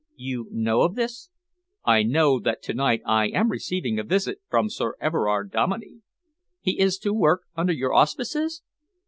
You know of this?" "I know that to night I am receiving a visit from Sir Everard Dominey." "He is to work under your auspices?"